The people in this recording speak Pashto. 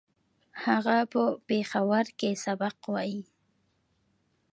هغه په پېښور کې سبق وايي